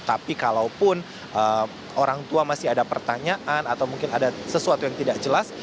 tapi kalaupun orang tua masih ada pertanyaan atau mungkin ada sesuatu yang tidak jelas